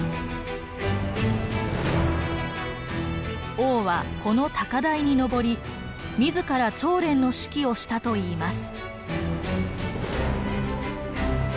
王はこの高台にのぼり自ら調練の指揮をしたといいます。